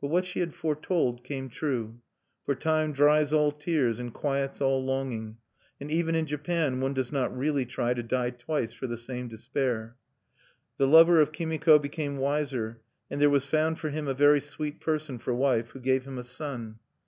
But what she had foretold came true; for time dries all tears and quiets all longing; and even in Japan one does not really try to die twice for the same despair. The lover of Kimiko became wiser; and there was found for him a very sweet person for wife, who gave him a son.